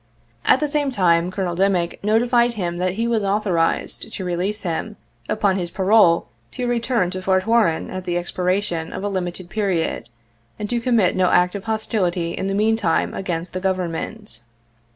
At the same time, Colonel Dimick notified him that he was authorized to release him upon his parole to return to Fort Warren at the expi ration of a limited period, and to commit no act of hostility in the meantime against the Government.